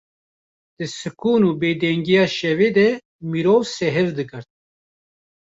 Di sikûn û bêdengiya şevê de mirov sehiw digirt.